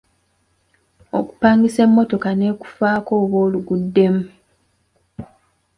Okupangisa emmotoka n’ekufaako oba oluguddemu.